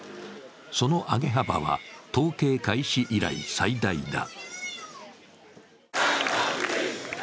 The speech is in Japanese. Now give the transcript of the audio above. その上げ幅は、統計開始以来最大だ。